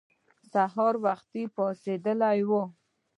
سهار وختي پاڅېدلي وو.